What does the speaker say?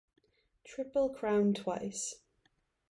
Triple Crown twice.